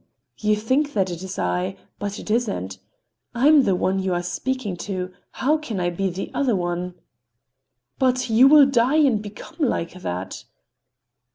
You think that it is I, but it isn't. I am the one you are speaking to; how can I be the other one?" "But you will die and become like that."